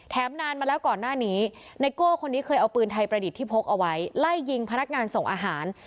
นานมาแล้วก่อนหน้านี้ไนโก้คนนี้เคยเอาปืนไทยประดิษฐ์ที่พกเอาไว้ไล่ยิงพนักงานส่งอาหาร